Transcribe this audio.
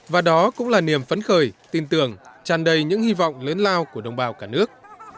và đó cũng là niềm phấn khởi tin tưởng tràn đầy những hy vọng lớn lao của đồng bào cả nước